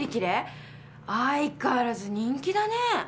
相変わらず人気だね。